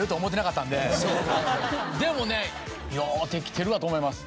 でもねようできてるわと思います。